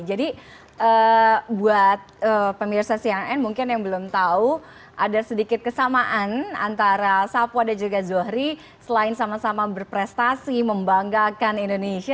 jadi buat pemirsa siang siang mungkin yang belum tahu ada sedikit kesamaan antara sapo dan juga zohri selain sama sama berprestasi membanggakan indonesia